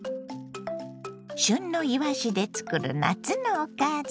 旬のいわしで作る夏のおかず。